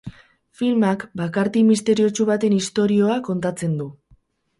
Filmak bakarti misteriotsu baten istorioa kontatzen du.